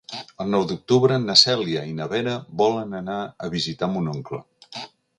El nou d'octubre na Cèlia i na Vera volen anar a visitar mon oncle.